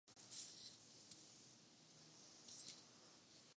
تازہ ہوا کے لیے درخت لگانا بہت ضروری ہے۔